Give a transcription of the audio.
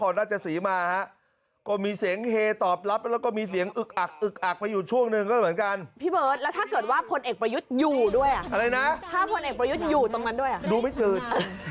อยู่ด้วยอ่ะภาพวนเอกประยุทธอยู่ตรงนั้นด้วยอ่ะอะไรนะดูไม่จืด